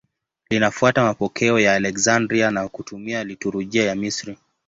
Linafuata mapokeo ya Aleksandria na kutumia liturujia ya Misri.